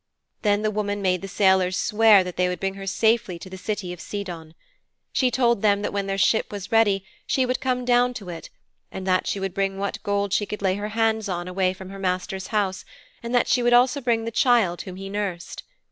"' 'Then the woman made the sailors swear that they would bring her safely to the city of Sidon. She told them that when their ship was ready she would come down to it, and that she would bring what gold she could lay her hands on away from her master's house, and that she would also bring the child whom she nursed.